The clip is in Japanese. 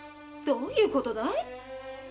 どういうことだい？